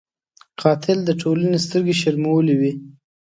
قاتل د ټولنې سترګې شرمولی وي